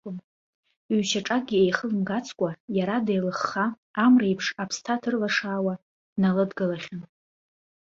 Ҩ-шьаҿакгьы еихылымгацкәа, иара деилыхха, амра еиԥш аԥсҭа ҭырлашаауа, дналыдгылахьан.